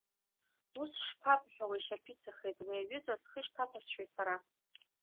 Ус шԥабҳәауеи, Шарԥицахеит, уи аҩыза схы ишԥаҭәасшьои сара?